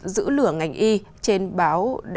giữ lửa ngành y trên báo